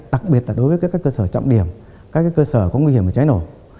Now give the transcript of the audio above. đặc biệt là đối với các cơ sở trọng điểm các cơ sở có nguy hiểm và cháy nổ